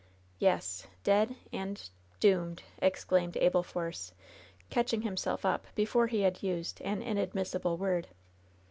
"Yes! dead and — doomed!" exclaimed Abel Force, catching himself up before he had used an kiadmissible word.